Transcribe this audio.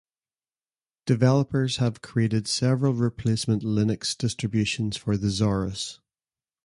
Developers have created several replacement Linux distributions for the Zaurus.